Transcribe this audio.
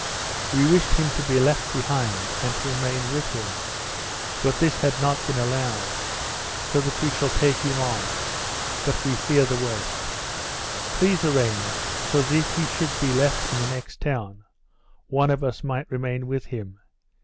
"We wished him to be left behind and to remain with him, but this has not been allowed, so that we shall take him on; but we fear the worst. Please arrange so that if he should be left in the next town, one of us might remain with him.